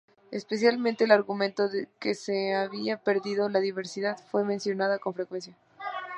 Especialmente el argumento de que se había perdido la diversidad fue mencionado con frecuencia.